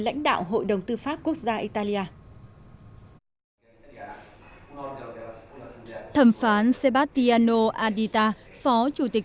lãnh đạo hội đồng tư pháp quốc gia italia thẩm phán sebastiano adita phó chủ tịch